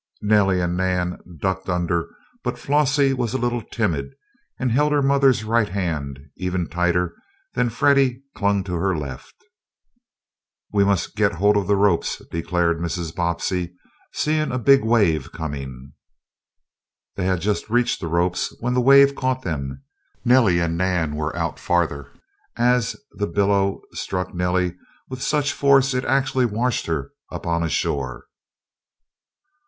Nellie and Nan "ducked" under, but Flossie was a little timid, and held her mother's right hand even tighter than Freddie clung to her left. "We must get hold of the ropes," declared Mrs. Bobbsey, seeing a big wave coming. They just reached the ropes when the wave caught them. Nellie and Nan were out farther, and the billow struck Nellie with such force it actually washed her up on shore.